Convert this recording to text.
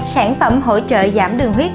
sản phẩm hỗ trợ giảm đường huyết